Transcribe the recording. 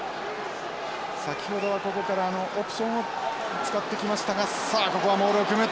先ほどはここからオプションを使ってきましたがさあここはモールを組む。